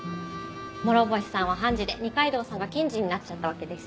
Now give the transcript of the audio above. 諸星さんは判事で二階堂さんは検事になっちゃったわけですしね。